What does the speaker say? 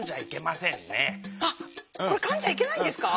あっこれかんじゃいけないんですか？